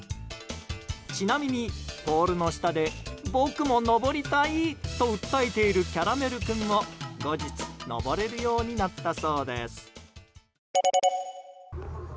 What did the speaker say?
ちなみに、ポールの下で僕も登りたいと訴えているキャラメル君も、後日登れるようになったそうです。